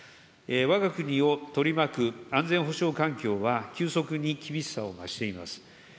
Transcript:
わが国を取り巻く安全保障環境は急速に厳しさを増しています。